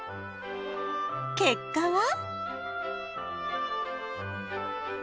結果は？